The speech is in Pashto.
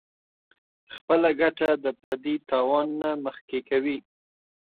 خپله ګټه د پردي تاوان نه مخکې کوي -